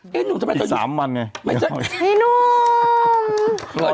นี่นุ่มอีก๓วันไง